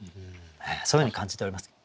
そういうふうに感じております。